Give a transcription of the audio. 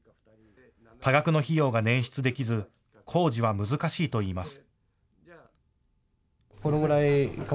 多額の費用が捻出できず工事は難しいといいます。